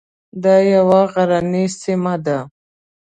دا یوه غرنۍ سیمه ده.